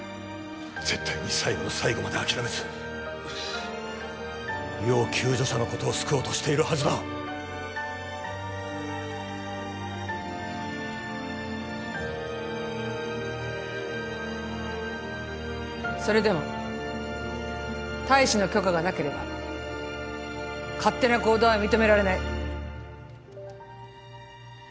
絶対に最後の最後まで諦めず要救助者のことを救おうとしているはずだそれでも大使の許可がなければ勝手な行動は認められない